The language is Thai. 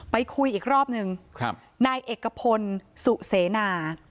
ไปคุยอีกรอบนึงนายเอกพลสุเสนา